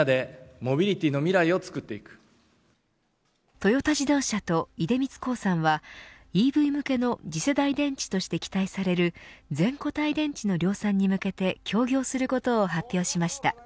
トヨタ自動車と出光興産はＥＶ向けの次世代電池として期待される全固体電池の量産に向けて協業することを発表しました。